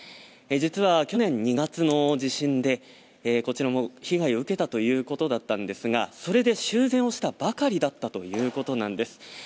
実は、去年２月の地震でこちらも被害を受けたということだったんですがそれで修繕をしたばかりだったということなんです。